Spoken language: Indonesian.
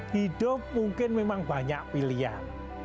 hidup mungkin memang banyak pilihan